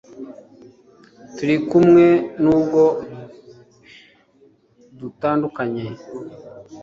Turi kumwe nubwo dutandukanye